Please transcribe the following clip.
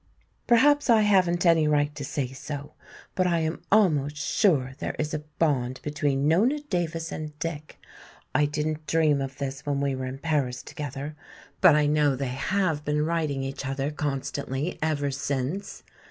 "Perhaps I haven't any right to say so, but I am almost sure there is a bond between Nona Davis and Dick. I didn't dream of this when we were in Paris together. But I know they have been writing each other constantly ever since.